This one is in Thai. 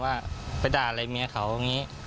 ว่าไปด่าอะไรเมียเขาก็นี่